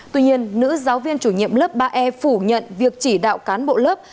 tuy nhiên nữ giáo viên chủ nhiệm lớp ba e phủ nhận việc chỉ đạo cán bộ lớp